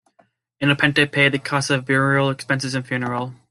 Independiente paid the costs of burial expenses and funeral.